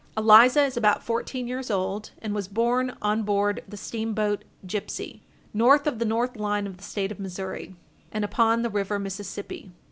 Eliza is about fourteen years old, and was born on board the steamboat Gipsey, north of the north line of the State of Missouri, and upon the river Mississippi.